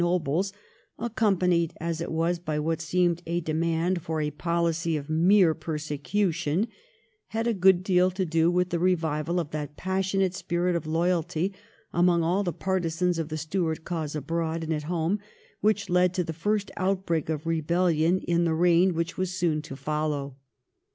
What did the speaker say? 263 nobles, accompanied as it was by what seemed a demand for a policy of mere persecution, had a good deal to do with the revival of that passionate spirit of loyalty among all the partisans of the Stuart cause abroad and at home which led to the first outbreak of rebellion in the reign which was soon to follow.